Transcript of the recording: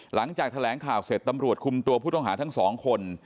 หลังจากแถลงข่าวเสร็จตำรวจคุมตัวผู้ต้องหาทั้งสองคน